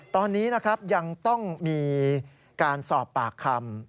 ตอนนี้นะครับยังต้องมีการสอบปากคำ